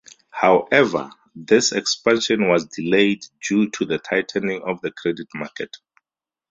However, this expansion was delayed due to the tightening of the credit market.